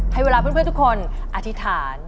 ให้เวลาเพื่อนทุกคนอธิษฐาน